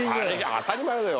当たり前だよ。